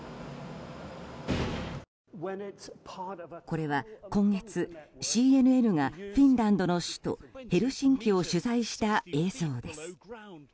これは今月、ＣＮＮがフィンランドの首都ヘルシンキを取材した映像です。